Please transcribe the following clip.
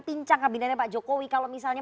pincang kabinetnya pak jokowi kalau misalnya